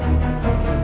malah pak mbak